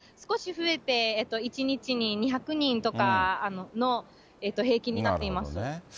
今週が少し増えて１日に２００人とかの平均になっています。